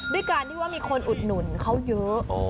ด้วยการที่ว่ามีคนอุดหนุนเขาเยอะ